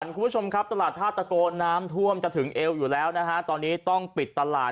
คุณผู้ชมครับตลาดท่าตะโกนน้ำท่วมจะถึงเอวอยู่แล้วนะฮะตอนนี้ต้องปิดตลาด